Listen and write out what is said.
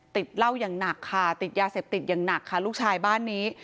ติดเหล้าอย่างหนักค่ะติดยาเสพติดอย่างหนักค่ะลูกชายบ้านนี้